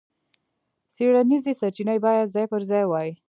څېړنیزې سرچینې باید ځای پر ځای وای.